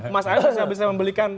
mas awi bisa membelikan